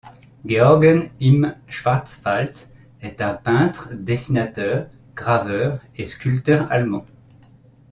Georgen im Schwarzwald, est un peintre, dessinateur, graveur et sculpteur allemand.